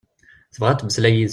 Tebɣa ad temmeslay yid-s.